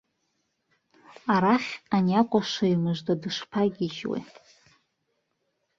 Арахь ани акәашаҩ мыжда дышԥагьежьуеи?!